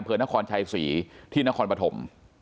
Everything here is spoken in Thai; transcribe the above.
เผอร์นครชัยศรีที่นครปฐม